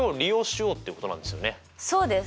そうです。